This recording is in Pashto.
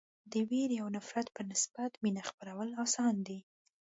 د وېرې او نفرت په نسبت مینه خپرول اسان دي.